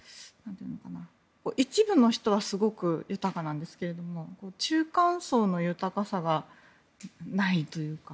一部の人はすごく豊かなんですけれど中間層の豊かさがないというか。